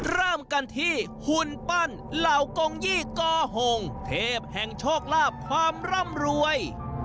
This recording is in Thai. เริ่มกันที่หุ่นปั้นเหล่ากงยี่กอหงเทพแห่งโชคลาภความร่ำรวย